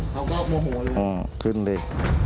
เขาก็โมโหเลยครับขึ้นไป